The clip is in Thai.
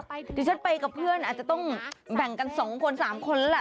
เดี๋ยวฉันไปกับเพื่อนอาจจะต้องแบ่งกัน๒คน๓คนแล้วล่ะ